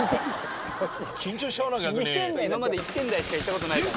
今まで１点台しか行った事ないから。